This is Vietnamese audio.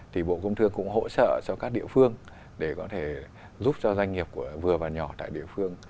thì bộ công thương cũng hỗ trợ cho các địa phương để có thể giúp cho doanh nghiệp của vừa và nhỏ tại địa phương